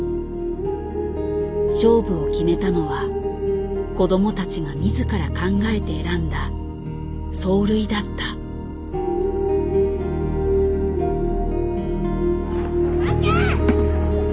勝負を決めたのは子どもたちが自ら考えて選んだ走塁だった。ＯＫ！